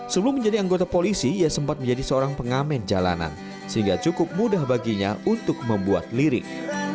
sebelum menjadi anggota polisi ia sempat menjadi seorang pengamen jalanan sehingga cukup mudah baginya untuk membuat lirik